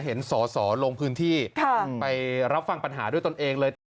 เห็นสอสอลงพื้นที่ไปรับฟังปัญหาด้วยตนเองเลย